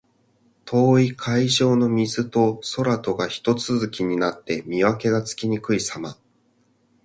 遠い海上の水と空とがひと続きになって、見分けがつきにくいさま。